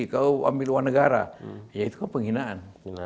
kau ambil luar negara ya itu kan penghinaan